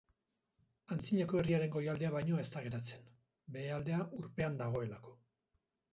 Antzinako herriaren goialdea baino ez da geratzen, behealdea urpean dagoelako.